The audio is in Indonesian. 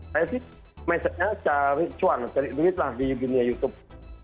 saya sih message nya cari cuan cari duit lah di dunia youtube